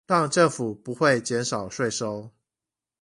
讓政府不會減少稅收